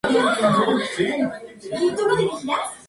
Están representados por los nombres ficticios.